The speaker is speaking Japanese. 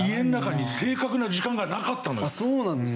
そうなんですか？